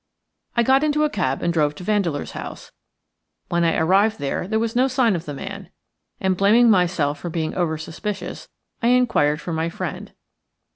I got into a cab and drove to Vandeleur's house; when I arrived there was no sign of the man, and, blaming myself for being over suspicious, I inquired for my friend.